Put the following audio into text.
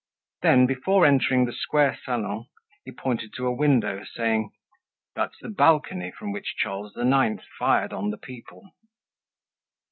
Then, before entering the Square Salon, he pointed to a window, saying: "That's the balcony from which Charles IX. fired on the people."